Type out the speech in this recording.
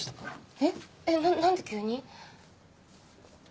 えっ⁉な何で急に？